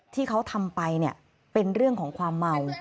ที่เขาทำไปเป็นเรื่องของความเมา